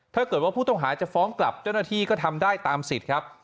ถ้าเกิดว่าผู้ต้องหาจะฟ้องกลับเจ้าหน้าที่ก็ทำได้ตามสิทธิ์ครับ